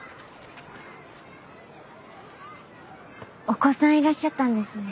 お子さんいらっしゃったんですね。